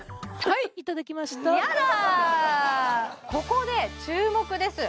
ここで注目です